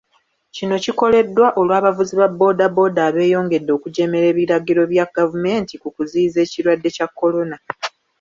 Kino kikoleddwa olw'abavuzi ba bbooda bbooda abeeyongedde okujeemera ebiragiro bya gavumenti ku kuziyiza ekirwadde kya Kolona.